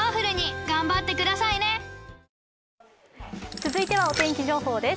続いてはお天気情報です。